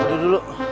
ya duduk dulu